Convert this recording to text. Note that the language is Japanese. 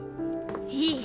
いい